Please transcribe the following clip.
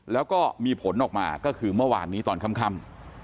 แล้วก็มีผลออกมาก็คือเมื่อวานนี้ตอนค่ำ